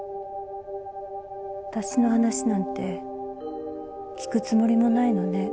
私の話なんて聞くつもりもないのね。